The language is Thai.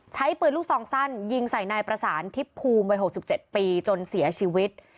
ใช้ปืนลูกซองสั้นยิงใส่นายประสานทิพย์ภูมิวัย๖๗ปีจนเสียชีวิต